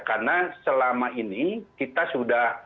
karena selama ini kita sudah